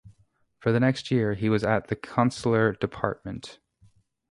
For the next year he was at the Consular Department.